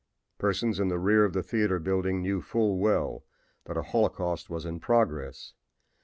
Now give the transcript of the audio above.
Persons in the rear of the theater building knew full well that a holocaust was in progress.